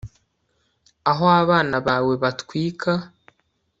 aho abana bawe batwika